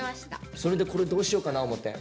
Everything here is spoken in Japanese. それでこれどうしようかな思てん？